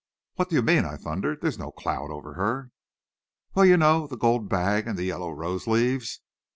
"What do you mean?" I thundered. "There is no cloud over her." "Well, you know, the gold bag and the yellow rose leaves..."